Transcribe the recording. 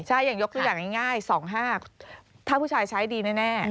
ใช่อย่างยกตัวอย่างง่าย๒๕ถ้าผู้ชายใช้ดีแน่